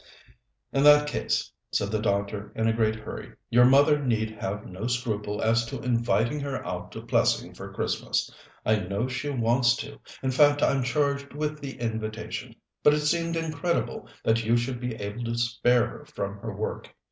"In that case," said the doctor in a great hurry, "your mother need have no scruple as to inviting her out to Plessing for Christmas. I know she wants to in fact, I'm charged with the invitation but it seemed incredible that you should be able to spare her from her work.